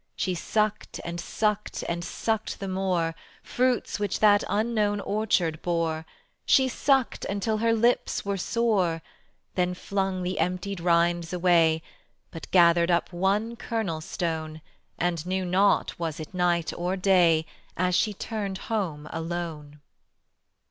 She sucked and sucked and sucked the more Fruits which that unknown orchard bore; She sucked until her lips were sore; Then flung the emptied rinds away, But gathered up one kernel stone, And knew not was it night or day As she turned home alone.